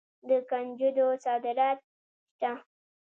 د کنجدو صادرات شته.